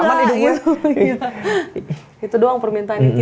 karena kan ya kalo di sulut kita ada agama yang mayoritasnya berkawin